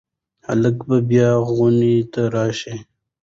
هلک به بیا خونې ته راشي.